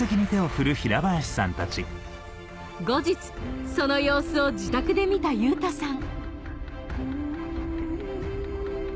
後日その様子を自宅で見た優太さん